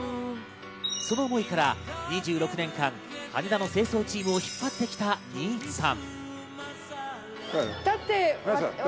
その思いから２６年間、羽田の清掃チームを引っ張ってきた新津さん。